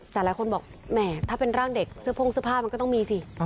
แต่หลายคนบอกแหมถ้าเป็นร่างเด็กเสื้อโพ่งเสื้อผ้ามันก็ต้องมีสิ